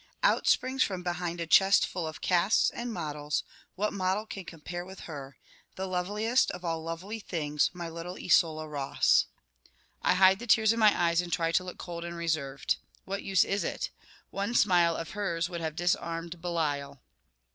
Out springs from behind a chest full of casts and models what model can compare with her? the loveliest of all lovely beings, my little Isola Ross. I hide the tears in my eyes, and try to look cold and reserved. What use is it? One smile of hers would have disarmed Belial.